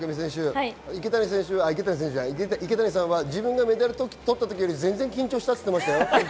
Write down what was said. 池谷さんは自分がメダルを取った時より全然緊張したって言ってましたよ。